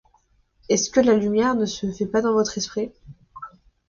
Est-ce que la lumière ne se fait pas dans votre esprit?